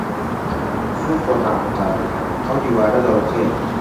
زوو خۆتان قوتار بکەن، ئەو دیوارە دەڕووخێ.